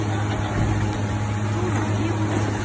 今日のオリオールズ戦。